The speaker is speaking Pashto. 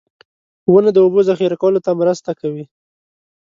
• ونه د اوبو ذخېره کولو ته مرسته کوي.